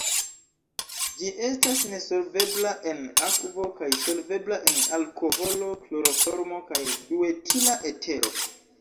Ĝi estas nesolvebla en akvo kaj solvebla en alkoholo, kloroformo kaj duetila etero.